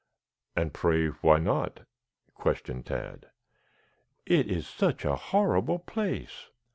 "And pray, why not?" questioned Tad. "It is such a horrible place."